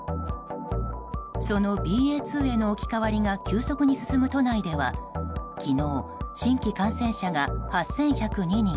そのＢＡ．２への置き換わりが急速に進む都内では昨日、新規感染者が８１０２人。